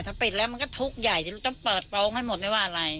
ถ้าปิดแล้วมันก็ทุกข์ใหญ่จะต้องเปิดโปรงให้หมดไม่ว่าอะไร